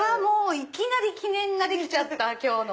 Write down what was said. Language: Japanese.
いきなり記念ができちゃった今日の。